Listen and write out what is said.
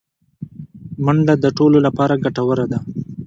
منډه د ټولو لپاره ګټوره ده